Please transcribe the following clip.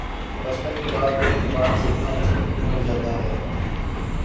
بچپن کے بعد کوئی زبان سیکھنا مشکل کیوں ہوجاتا ہے